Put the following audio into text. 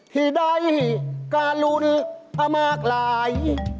ที่ได้การลุ้นมากราย